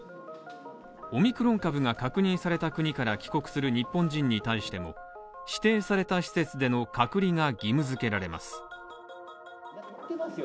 オミクロン株が確認された国から帰国する日本人に対しても指定された施設での隔離が義務付けられます。